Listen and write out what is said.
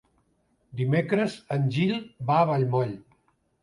Dimecres en Gil va a Vallmoll.